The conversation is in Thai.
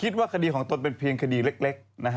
เอาเบือ